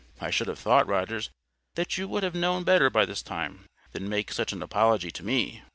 "I should have thought, Rogers, that you would have known better by this time, than make such an apology to ME."